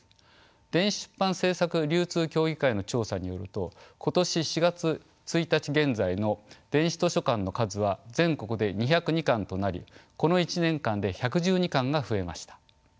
電子出版制作・流通協議会の調査によると今年４月１日現在の電子図書館の数は全国で２０２館となりこの１年間で１１２館が増えました。